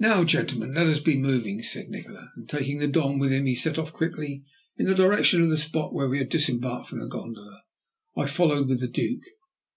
"Now, gentlemen, let us be moving," said Nikola, and taking the Don with him he set off quickly in the direction of the spot where we had disembarked from the gondola. I followed with the Duke.